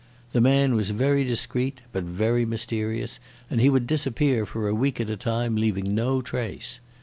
The man was very discreet but very mysterious, and he would disappear for a week at a time, leaving no trace.